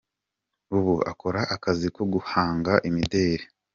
Ubu akora akazi ko guhanga imideri.